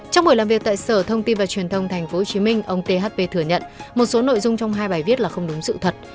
trong buổi làm việc tại sở thông tin và truyền thông tp hcm ông thp thừa nhận một số nội dung trong hai bài viết là không đúng sự thật